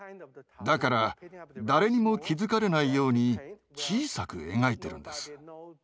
だから誰にも気付かれないように小さく描いてるんです。